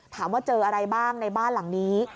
ถามว่าเจออะไรบ้างในบ้านหลังนี้